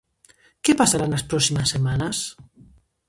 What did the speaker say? Que pasará nas próximas semanas?